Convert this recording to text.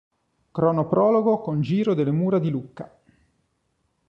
Cronoprologo con giro delle mura di Lucca.